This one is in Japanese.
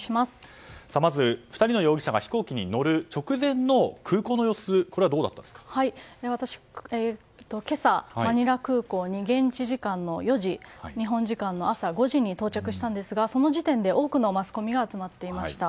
まず２人の容疑者が飛行機に乗る直前の空港の様子はマニラ空港に現地時間の４時日本時間の朝５時に到着したんですがその時点で多くのマスコミが集まっていました。